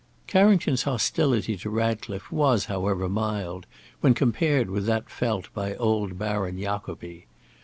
Carrington's hostility to Ratcliffe was, however, mild, when compared with that felt by old Baron Jacobi.